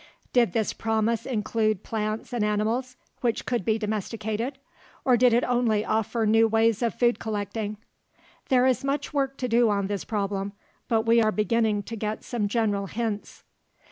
Did this promise include plants and animals which could be domesticated, or did it only offer new ways of food collecting? There is much work to do on this problem, but we are beginning to get some general hints.